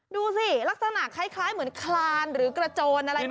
ดูสิลักษณะคล้ายเหมือนคลานหรือกระโจนอะไรมา